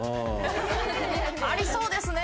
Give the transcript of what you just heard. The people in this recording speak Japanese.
ありそうですね！